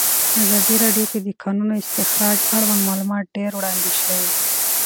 په ازادي راډیو کې د د کانونو استخراج اړوند معلومات ډېر وړاندې شوي.